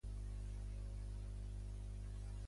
Va néixer Dorothy Violet Ashton a Maidenhead.